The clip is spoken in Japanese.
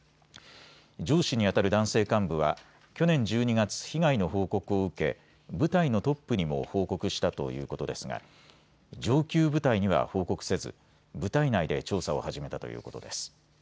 上司にあたる男性幹部は去年１２月、被害の報告を受け部隊のトップにも報告したということですが上級部隊には報告せず部隊内で調査を始めたということです。